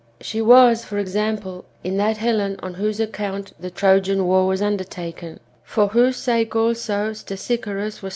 She was, for example, in that Helen on whose account the Trojan war was undertaken; for whose sake also Stesichorus" was struck 1 Comp.